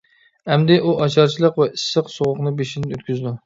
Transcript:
ئەمدى ئۇ ئاچارچىلىق ۋە ئىسسىق-سوغۇقنى بېشىدىن ئۆتكۈزىدۇ.